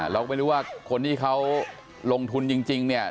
เราก็ไม่รู้ว่าคนที่เขาลงทุนจริงเนี่ย